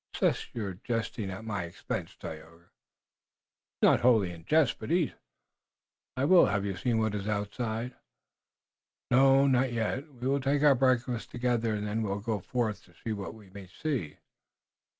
"Cease your jesting at my expense, Tayoga." "It is not wholly a jest, but eat." "I will. Have you seen what is outside?" "Not yet. We will take our breakfast together, and then we will go forth to see what we may see."